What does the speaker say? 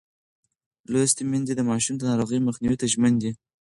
لوستې میندې د ماشوم د ناروغۍ مخنیوي ته ژمنه ده.